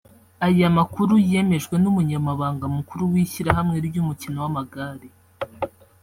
Aya makuru yemejwe n’Umunyamabanga mukuru w’ishyirahamwe ry’umukino w’amagare